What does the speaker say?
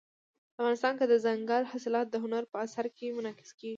افغانستان کې دځنګل حاصلات د هنر په اثار کې منعکس کېږي.